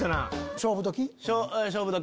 勝負時。